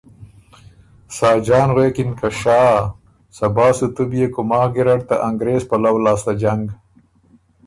ساجان غوېکِن که شا! صبا سُو تُو بيې کُوماخ ګیرډ ته انګرېز پلؤ لاسته جنګ